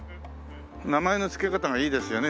名前の付け方がいいですよね